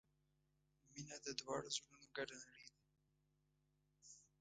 • مینه د دواړو زړونو ګډه نړۍ ده.